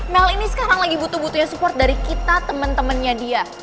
mel ini sekarang lagi butuh dua nya support dari kita temen dua nya dia